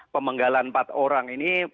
pemenggalan empat orang ini